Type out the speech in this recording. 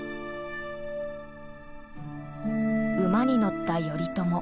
馬に乗った頼朝。